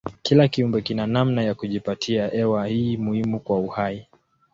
Kila kiumbe kina namna ya kujipatia hewa hii muhimu kwa uhai.